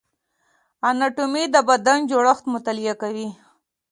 اناتومي د بدن جوړښت مطالعه کوي